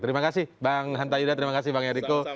terima kasih bang hanta yuda terima kasih bang eriko